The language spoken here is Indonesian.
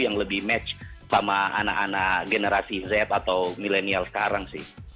yang lebih match sama anak anak generasi z atau milenial sekarang sih